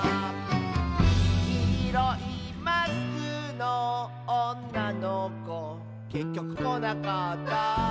「きいろいマスクのおんなのこ」「けっきょくこなかった」